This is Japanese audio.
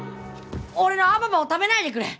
俺のアババを食べないでくれ！